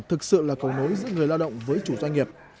thực sự là cầu nối giữa người lao động với chủ doanh nghiệp